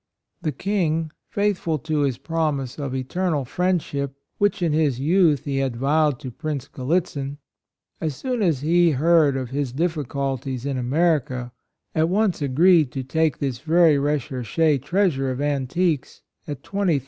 The King, faithful to his promise of eternal friendship which, in his youth, he had vowed to Prince Grallitzin, as soon as he heard of his difficulties in America, at once agreed to take this very recherche treasure of antiques at $20,000.